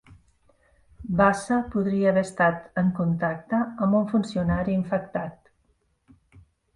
Bassa podria haver estat en contacte amb un funcionari infectat